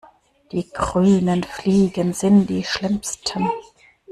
Die grünen Fliegen sind die schlimmsten.